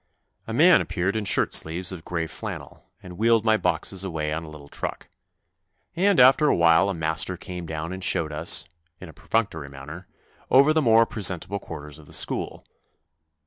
A man appeared in shirt sleeves of grey flannel and wheeled my boxes away on a little truck, and after a while a master came down and showed us, in a perfunctory manner, over the more presentable quarters of the school.